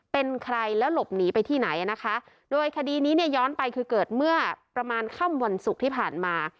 เป็นใครแล้วหลบหนีไปที่ไหนนะคะโดยคดีนี้เนี่ยย้อนไปคือเกิดเมื่อประมาณค่ำวันศุกร์ที่ผ่านมา